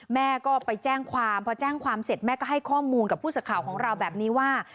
แม่ก็ไปแจ้งความพอแจ้งความเสร็จแม่ก็ให้ข้อมูลกับผู้สื่อข่าวของเราแบบนี้ว่า